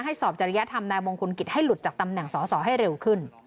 สอบจริยธรรมนายมงคลกิจให้หลุดจากตำแหน่งสอสอให้เร็วขึ้น